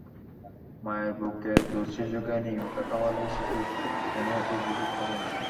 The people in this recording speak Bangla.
মায়ের বুকের দুধ শিশুকে নিয়মিত খাওয়ালে শিশুর কোনো অসুখবিসুখ হবে না।